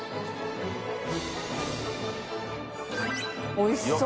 おいしそう！